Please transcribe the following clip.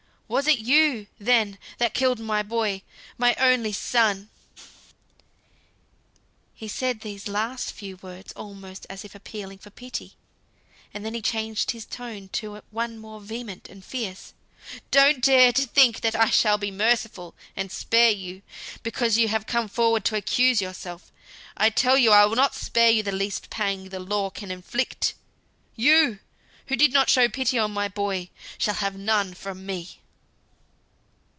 Was it you, then, that killed my boy? my only son?" (he said these last few words almost as if appealing for pity, and then he changed his tone to one more vehement and fierce). "Don't dare to think that I shall be merciful, and spare you, because you have come forward to accuse yourself. I tell you I will not spare you the least pang the law can inflict, you, who did not show pity on my boy, shall have none from me."